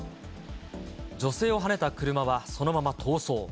女性をはねた車はそのまま逃走。